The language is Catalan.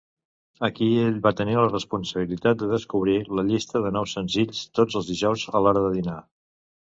Aquí ell va tenir la responsabilitat de descobrir la llista de nous senzills tots els dijous a l'hora de dinar.